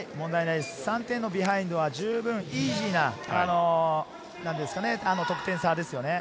３点のビハインドは十分イージーな得点差です。